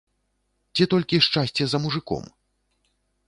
Ці толькі шчасце за мужыком?